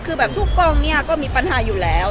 คือแบบทุกกล้องเนี่ยก็มีปัญหาอยู่แล้ว